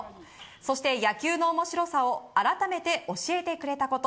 そして野球の面白さを改めて教えてくれたこと。